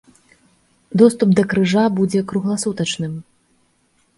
Доступ да крыжа будзе кругласутачным.